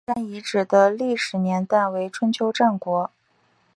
大坪山遗址的历史年代为春秋战国。